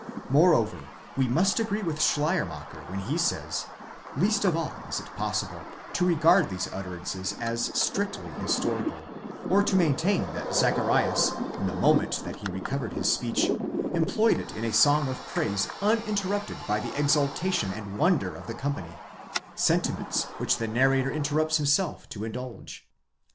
Moreover we must agree with Schleiermacher when he says:1/ least of all is it possible to regard these utterances as strictly historical ; or to maintain that Zacharias, in the moment that he recovered his speech, employed it in a song of praise, uninterrupted by the exultation and wonder of the company, sentiments which the narrator interrupts himself to indulge.